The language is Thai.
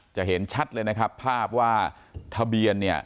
เห็นชัดเลยนะครับภาพว่าทะเบียนเนี่ย